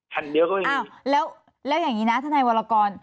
แผ่นเดี๋ยวก็ไม่มีอ้าวแล้วแล้วอย่างงี้น่ะท่านไหนวรรกร